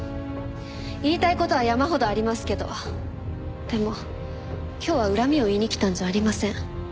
言いたい事は山ほどありますけどでも今日は恨みを言いに来たんじゃありません。